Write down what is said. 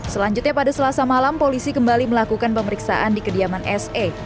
selanjutnya pada selasa malam polisi kembali melakukan pemeriksaan di kediaman se